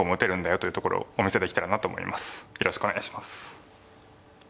よろしくお願いします。